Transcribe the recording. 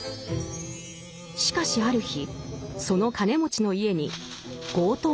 しかしある日その金持ちの家に強盗が侵入する。